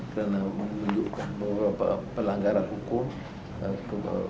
karena membunyukan beberapa pelanggaran hukum